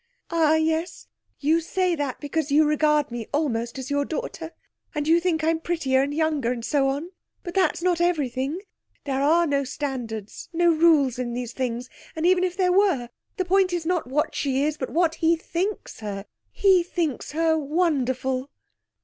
'Ah, yes; you say that because you regard me almost as your daughter, and you think I'm pretty and younger, and so on. But that's not everything. There are no standards, no rules in these things. And even if there were, the point is not what she is, but what he thinks her. He thinks her wonderful.'